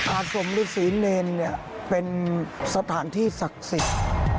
อาสมฤษีเนรเป็นสถานที่สักสิทธิ์